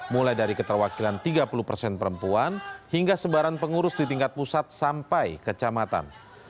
mulai dari keterwakilan tiga puluh persen perempuan hingga sebaran pengurus di tingkat pusat sampai kecamatan